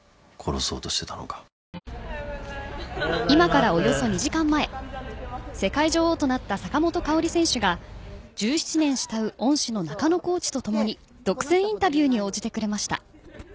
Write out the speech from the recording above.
今からおよそ２時間前世界女王となった坂本花織選手が１７年慕う恩師の中野コーチとともに独占インタビューに応じてくれました。